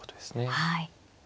はい。